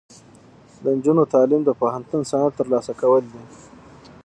د نجونو تعلیم د پوهنتون سند ترلاسه کول دي.